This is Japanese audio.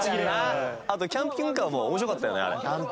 あとキャンピングカーも面白かったよねあれ。